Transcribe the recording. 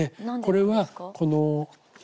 これはこの。